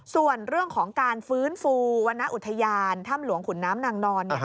ส่วนเรื่องของการฟื้นฟูวรรณอุทยานถ้ำหลวงขุนน้ำนางนอน